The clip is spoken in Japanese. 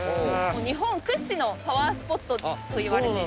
日本屈指のパワースポットといわれてます。